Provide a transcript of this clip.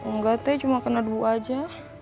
nggak teh cuma kena dubu aja